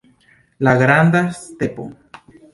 La granda stepo.